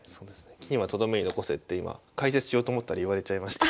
金はとどめに残せって今解説しようと思ったら言われちゃいました。